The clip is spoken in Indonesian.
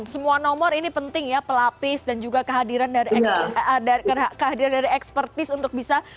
semua nomor ini penting ya pelapis dan juga kehadiran dari kehadiran dari ekspertis untuk bisa